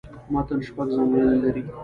متن شپږ ځانګړني لري.